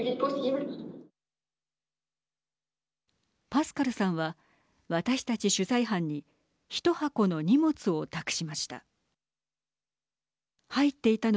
パスカルさんは私たち取材班にひと箱の荷物を託しました。